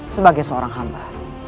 sebagai seorang hamba